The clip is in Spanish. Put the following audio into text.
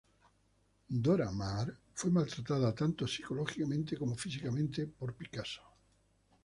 Dora Maar fue maltratada, tanto psicológicamente como físicamente, por Picasso.